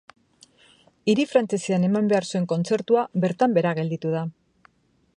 Hiri frantsesean eman behar zuen kontzertua bertan behera gelditu da.